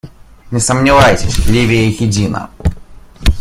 Не сомневайтесь, Ливия едина.